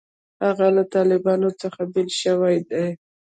هغه له طالبانو څخه بېل شوی دی.